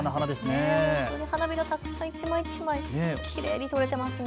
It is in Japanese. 花びら一枚一枚、きれいに撮れていますね。